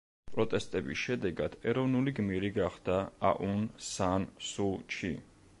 პროტესტების შედეგად ეროვნული გმირი გახდა აუნ სან სუ ჩი.